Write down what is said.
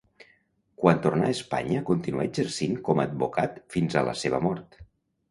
Quan tornà a Espanya continuà exercint com advocat fins a la seva mort.